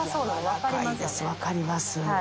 分かります。